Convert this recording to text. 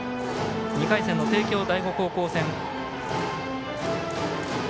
２回戦の帝京第五高校戦。